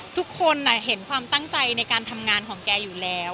ทุกคนเห็นความตั้งใจในการทำงานของแกอยู่แล้ว